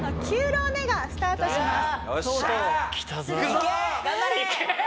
９浪目がスタートします。